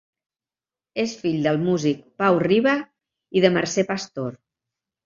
És fill del músic Pau Riba i de Mercè Pastor.